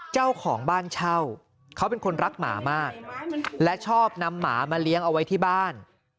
เจ้าของบ้านเช่าเขาเป็นคนรักหมามากและชอบนำหมามาเลี้ยงเอาไว้ที่บ้าน